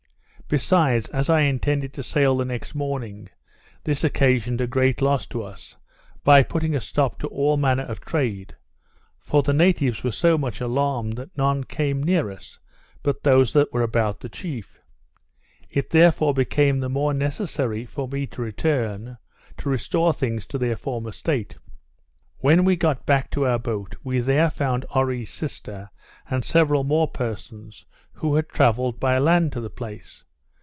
Besides, as I intended to sail the next morning, this occasioned a great loss to us, by putting a stop to all manner of trade; for the natives were so much alarmed, that none came near us, but those that were about the chief. It therefore became the more necessary for me to return, to restore things to their former state. When we got back to our boat, we there found Oree's sister, and several more persons, who had travelled by land to the place.